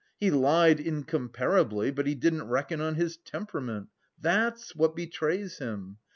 He lied incomparably, but he didn't reckon on his temperament. That's what betrays him!